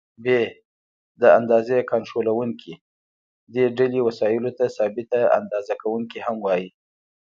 ب: د اندازې کنټرولوونکي: دې ډلې وسایلو ته ثابته اندازه کوونکي هم وایي.